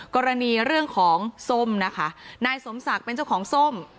กรณีเรื่องของส้มนะคะนายสมศักดิ์เป็นเจ้าของส้ม